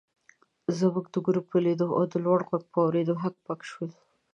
زموږ د ګروپ په لیدو او د لوړ غږ په اورېدو هک پک شول.